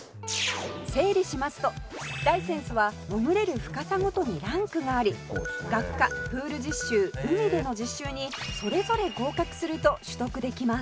「整理しますとライセンスは潜れる深さごとにランクがあり学科プール実習海での実習にそれぞれ合格すると取得できます」